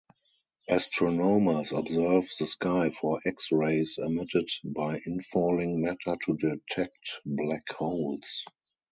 Astronomers observe the sky for X-rays emitted by infalling matter to detect black holes.